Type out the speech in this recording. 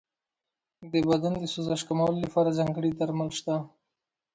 د بدن د سوزش کمولو لپاره ځانګړي درمل شته.